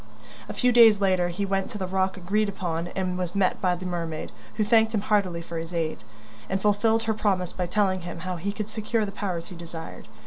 A few days later he went to the rock agreed upon and was met by the mermaid, who thanked him heartily for his aid, and fulfilled her promise by telling him how he could secure the powers he desired.